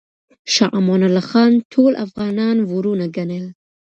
شاه امان الله خان ټول افغانان وروڼه ګڼل.